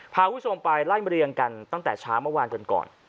ภาคุณส่งไปร่ายหมะเรียงกันตั้งแต่ช้าเมื่อวานจนก่อน